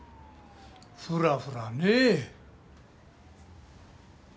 フラフラねえ。